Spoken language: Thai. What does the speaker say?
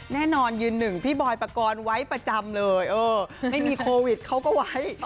แน่นอนยืนหนึ่งพี่บอยปกรณ์ไว้ประจำเลยเออไม่มีโควิดเขาก็ไว้